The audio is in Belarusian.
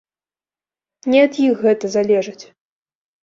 Не ад іх гэта залежыць.